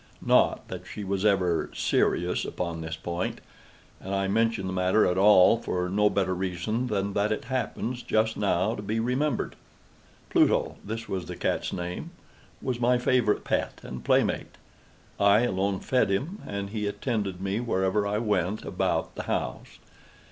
Not that she was ever serious upon this point—and I mention the matter at all for no better reason than that it happens, just now, to be remembered. Pluto—this was the cat's name—was my favorite pet and playmate. I alone fed him, and he attended me wherever I went about the house.